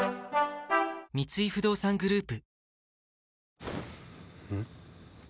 三井不動産グループ